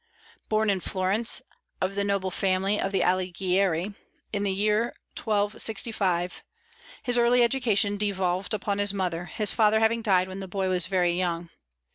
Born in Florence, of the noble family of the Alighieri, in the year 1265, his early education devolved upon his mother, his father having died while the boy was very young.